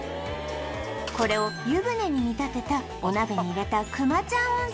これを湯船に見立てたお鍋に入れたくまちゃん温泉